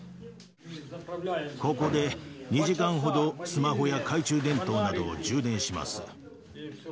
ここで２時間ほど、スマホや懐中電灯などを充電します。